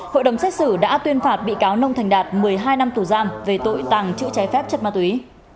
hội đồng xét xử đã tuyên phạt bị cáo nông thành đạt một mươi hai năm tù giam về tội tàng trữ trái phép chất ma túy